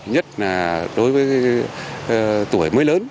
nhất là đối với tuổi mới lớn